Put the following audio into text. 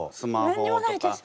何にもないです。